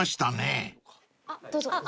どうぞ。